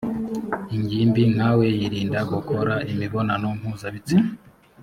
ingimbi nkawe yiirinda gukora imibonano mpuzabitsina .